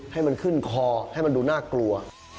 ให้มันขึ้นคอให้มันดูน่ากลัว